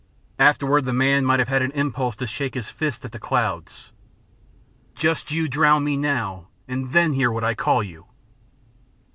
Afterward the man might have had an impulse to shake his fist at the clouds: "Just you drown me, now, and then hear what I call you!"